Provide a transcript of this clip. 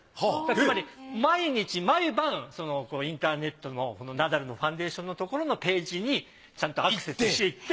つまり毎日毎晩インターネットのナダルのファンデーションのところのページにちゃんとアクセスして行って。